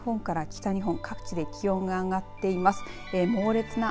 きょうも西日本から北日本各地で気温が上がっています。